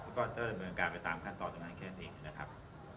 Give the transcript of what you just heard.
แล้วก็เติดบริการไปตามขั้นต่อจากนั้นแค่นั้นเองนะครับ